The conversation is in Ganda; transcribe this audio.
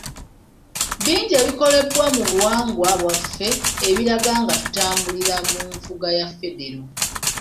Bingi ebikolebwa mu buwangwa bwaffe ebiraga nga tutambulira mu nfuga ya Federo.